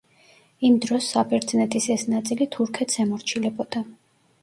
იმ დროს საბერძნეთის ეს ნაწილი თურქეთს ემორჩილებოდა.